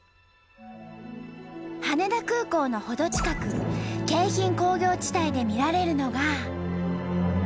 羽田空港の程近く京浜工業地帯で見られるのが。